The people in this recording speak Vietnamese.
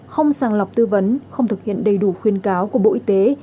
không sàng lọc tư vấn không thực hiện đầy đủ khuyên cáo của bộ y tế